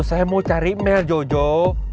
saya mau cari mail joe joe